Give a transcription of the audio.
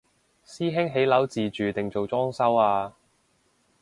師兄起樓自住定做裝修啊？